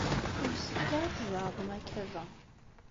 Ur yessefk ara ad tzeɛḍem akka da.